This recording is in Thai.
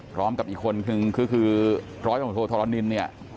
พร้อมกับอีกคนคือคร้อยคร้อยฮทรนนินเนีย